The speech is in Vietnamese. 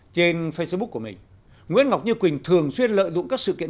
trên facebook của mình nguyễn ngọc như quỳnh thường xuyên lợi dụng các sự kiện